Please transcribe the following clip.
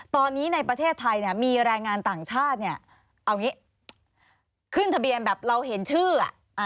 ตอนนี้ในประเทศไทยมีแรงงานต่างชาติขึ้นทะเบียนแบบเราเห็นชื่อ